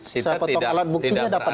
saya potong alat buktinya dapat dari mana